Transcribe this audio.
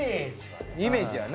イメージはね。